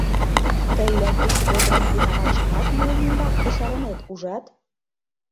Тый Якуш Вӧдырын винаматшымат мыйын ӱмбак кусарынет, ужат!..